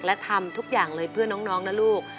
และทำทุกอย่างเลยเพื่อน้องนะลูก